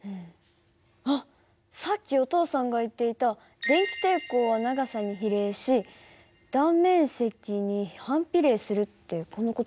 あっさっきお父さんが言っていた電気抵抗は長さに比例し断面積に反比例するってこの事かな？